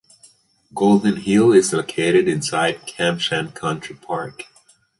Golden Hill is located inside Kam Shan Country Park.